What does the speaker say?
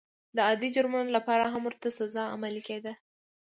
د عادي جرمونو لپاره هم ورته سزا عملي کېده.